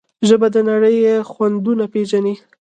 ژبه د نړۍ خوندونه پېژني.